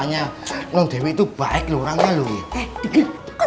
kalian lebih selesa nicht schikan